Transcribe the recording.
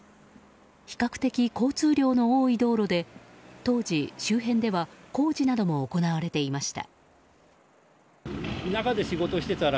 比較的交通量の多い道路で当時、周辺では工事なども行われていました。